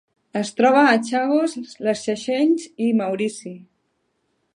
Es troba a Chagos, les Seychelles i Maurici.